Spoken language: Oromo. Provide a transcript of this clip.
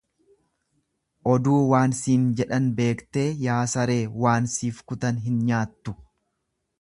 Oduu waan siin jedhan beektee yaa saree waan siif kutan hin nyaattu.